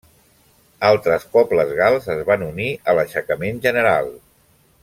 Altres pobles gals es van unir a l'aixecament general.